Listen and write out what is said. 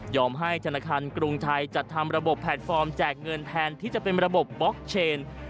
ให้ธนาคารกรุงไทยจัดทำระบบแพลตฟอร์มแจกเงินแทนที่จะเป็นระบบบล็อกเชน